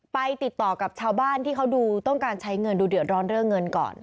ติดต่อกับชาวบ้านที่เขาดูต้องการใช้เงินดูเดือดร้อนเรื่องเงินก่อน